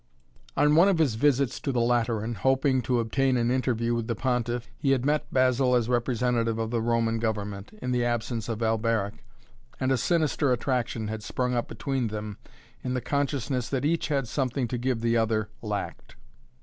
On one of his visits to the Lateran, hoping to obtain an interview with the Pontiff, he had met Basil as representative of the Roman government, in the absence of Alberic, and a sinister attraction had sprung up between them in the consciousness that each had something to give the other lacked.